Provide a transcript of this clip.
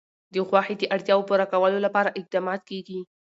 د غوښې د اړتیاوو پوره کولو لپاره اقدامات کېږي.